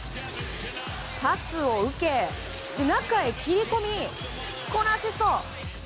パスを受け、中へ切り込みこのアシスト。